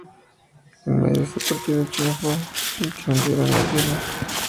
En medio de ese partido Schiaffino sintió un tirón en la pierna.